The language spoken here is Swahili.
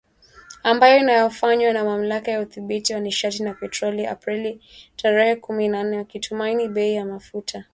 Ambayo inayofanywa na Mamlaka ya Udhibiti wa Nishati na Petroli Aprili tarehe kumi na nne, wakitumaini bei ya mafuta kuwa juu zaidi.